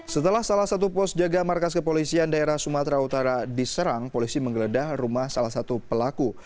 setelah salah satu pos jaga markas kepolisian daerah sumatera utara diserang polisi menggeledah rumah salah satu pelaku